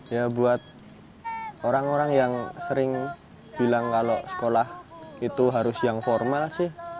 ya buat orang orang yang sering bilang kalau sekolah itu harus yang formal sih